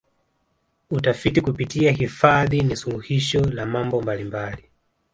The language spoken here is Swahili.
utafiti kupitia hifadhi ni suluhisho la mambo mbalimbali